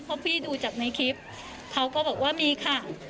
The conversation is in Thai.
เพราะพี่ดูจากในคลิปเขาก็บอกว่ามีค่ะ